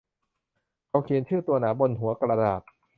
เขาเขียนชื่อตัวหนาบนหัวกระดาษ